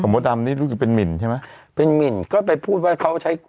มดดำนี่รู้สึกเป็นหมินใช่ไหมเป็นหมินก็ไปพูดว่าเขาใช้